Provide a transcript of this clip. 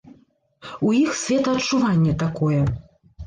У іх светаадчуванне такое.